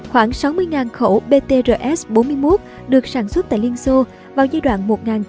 khoảng sáu mươi khẩu btrs bốn mươi một được sản xuất tại liên xô vào giai đoạn một nghìn chín trăm bốn mươi một một nghìn chín trăm bốn mươi hai